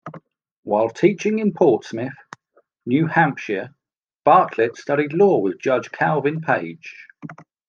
While teaching in Portsmouth, New Hampshire, Bartlett studied law with Judge Calvin Page.